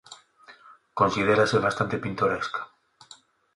Considérase bastante pintoresca.